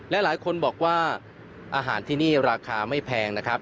และหลายคนบอกว่าอาหารที่นี่ราคาไม่แพงนะครับ